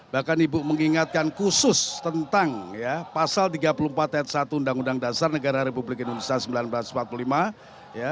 bahkan ibu mengingatkan khusus tentang pasal tiga puluh empat ayat satu undang undang dasar negara republik indonesia seribu sembilan ratus empat puluh lima